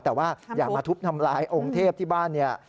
แต่ว่าอย่ามาทุบทำลายองค์เทพที่บ้านเนี่ย